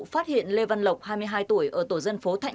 phát hiện lê văn lộc hai mươi hai tuổi ở tổ dân phố thạnh